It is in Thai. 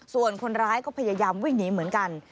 ส่วนคนร้ายก็พยายามวิ่งหนีเหมือนกัน